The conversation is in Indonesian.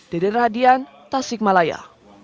dede radian tasikmalaya